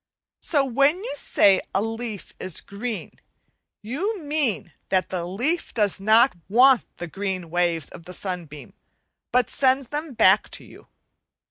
So when you say a leaf is green, you mean that the leaf does not want the green waves of the sunbeam, but sends them back to you.